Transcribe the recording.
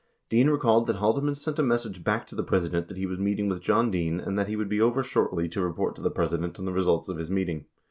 Dean recalled that Haldeman sent a message back to the Presi dent that he was meeting with John Dean and that he would be over shortly to report to the President on the results of his meeting.